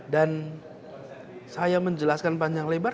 dan saya menjelaskan panjang lebar